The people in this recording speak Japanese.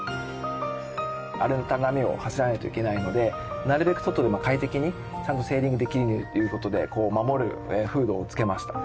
荒れた波を走らないといけないのでなるべく外でも快適にちゃんとセーリングできるという事でこう守るフードを付けました。